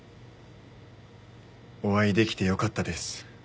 お会いできてよかったです。